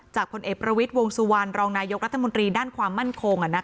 ผลเอกประวิทย์วงสุวรรณรองนายกรัฐมนตรีด้านความมั่นคง